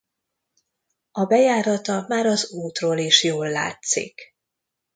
A bejárata már az útról is jól látszik.